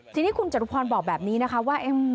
ทีนี้คุณจตุพรบอกแบบนี้นะคะว่า